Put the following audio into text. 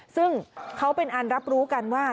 ซึ่งเขาเป็นอันรับรู้กันว่า